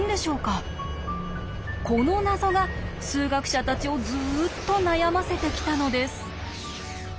この謎が数学者たちをずっと悩ませてきたのです。